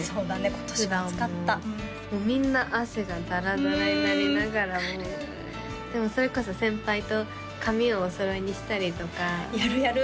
今年は暑かったみんな汗がダラダラになりながらもうでもそれこそ先輩と髪をお揃いにしたりとかやるやる！